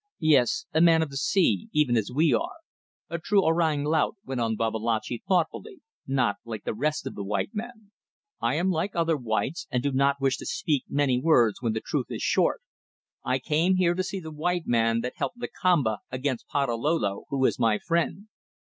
"Yes. A man of the sea even as we are. A true Orang Laut," went on Babalatchi, thoughtfully, "not like the rest of the white men." "I am like other whites, and do not wish to speak many words when the truth is short. I came here to see the white man that helped Lakamba against Patalolo, who is my friend.